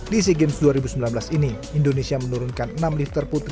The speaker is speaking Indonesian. di sea games dua ribu sembilan belas ini indonesia menurunkan enam lifter putri dan empat lifter putra